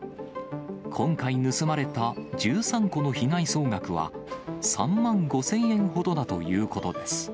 今回盗まれた１３個の被害総額は、３万５０００円ほどだということです。